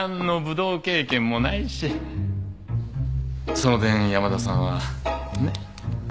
その点山田さんはねっ？